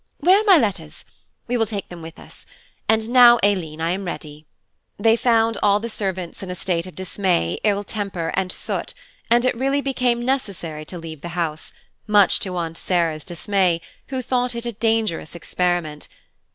Where are my letters? we will take them with us; and now, Aileen, I am ready." They found all the servants in a state of dismay, ill temper, and soot, and it really became necessary to leave the house, much to Aunt Sarah's dismay, who thought it a dangerous experiment.